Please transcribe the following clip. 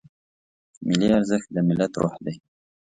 ملي ارزښت د ملت روح دی.